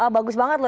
bagus banget loh